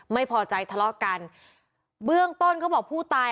ไม่พอใจทะเลาะกันเบื้องต้นเขาบอกผู้ตาย